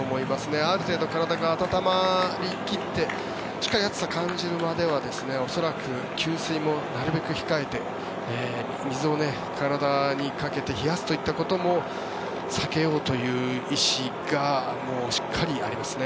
ある程度、体が温まり切ってしっかり暑さを感じるまでは恐らく給水もなるべく控えて水を体にかけて冷やすといったことも避けようという意思がありますね。